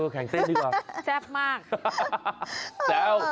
แข่งเต้นดีกว่าแซ่บมากแซ่บ